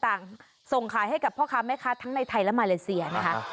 ผลไม้ต่างส่งขายให้กับพ่อค้าแม่ค้าทั้งในไทยและมาเลเซียนะครับ